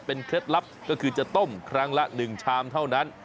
เคล็ดลับก็คือจะต้มครั้งละ๑ชามเท่านั้น